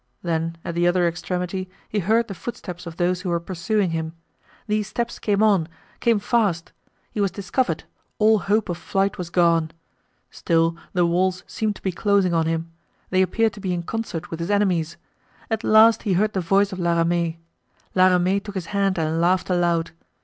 Then at the other extremity he heard the footsteps of those who were pursuing him. These steps came on, came fast. He was discovered; all hope of flight was gone. Still the walls seemed to be closing on him; they appeared to be in concert with his enemies. At last he heard the voice of La Ramee. La Ramee took his hand and laughed aloud.